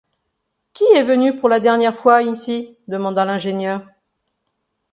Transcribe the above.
Qui est venu pour la dernière fois ici? demanda l’ingénieur.